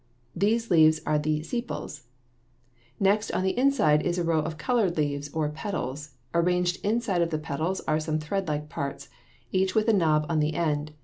These leaves are the sepals. Next on the inside is a row of colored leaves, or petals. Arranged inside of the petals are some threadlike parts, each with a knob on the end.